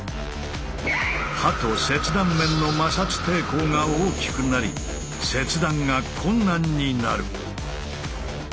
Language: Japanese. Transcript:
刃と切断面の摩擦抵抗が大きくなり切断が困難になる。